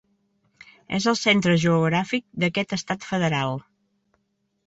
És el centre geogràfic d'aquest estat federal.